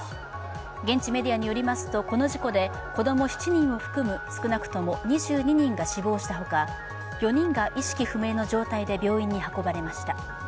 現地メディによりますと、この事故で子供７人を含む少なくとも２２人が死亡したほか、４人が意識不明の状態で病院に運ばれました。